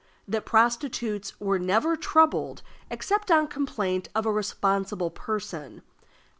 That prostitutes were never troubled except on complaint of a responsible person.